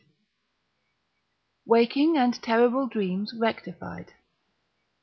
V. Waking and terrible Dreams rectified.